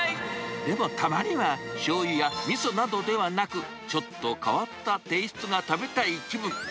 でもたまには、しょうゆやみそなどではなく、ちょっと変わったテイストが食べたい気分。